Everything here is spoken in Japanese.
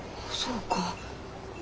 そうか。